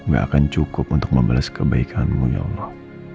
gak akan cukup untuk membalas kebaikanmu ya allah